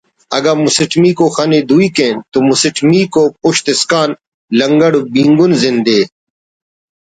اگہ مسٹمیکو خن ءِ دوئی کین تو مسٹمیکو پشت اسکان لنگڑ و بینگن زند ءِ